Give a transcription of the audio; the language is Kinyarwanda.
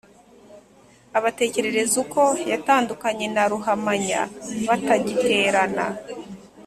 abatekerereza uko yatandukanye na ruhamanya batagiterana